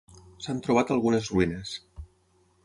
S'han trobat algunes ruïnes.